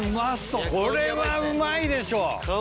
これはうまいでしょ！